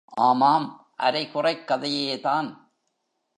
ஆமாம், அரைகுறைக் கதையேதான்!